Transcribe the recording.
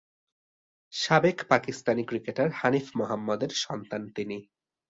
সাবেক পাকিস্তানি ক্রিকেটার হানিফ মোহাম্মদের সন্তান তিনি।